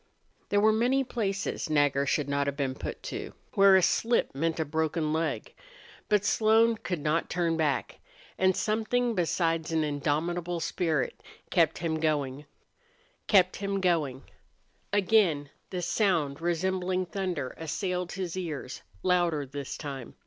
There were many places Nagger should not have been put to where a slip meant a broken leg. But Slone could not turn back. And something besides an indomitable spirit kept him going. Again the sound resembling thunder assailed his ears, louder this time.